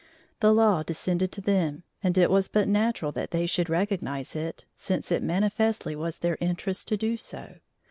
The law descended to them, and it was but natural that they should recognize it, since it manifestly was their interest to do so.